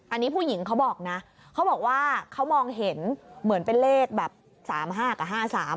อันนี้ผู้หญิงเขาบอกนะเขาบอกว่าเขามองเห็นเหมือนเป็นเลขแบบ๓๕กับ๕๓